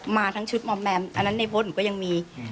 มาทั้งชุดมอมแมมอันนั้นในโพสต์หนูก็ยังมี